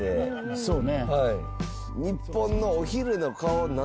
そうね。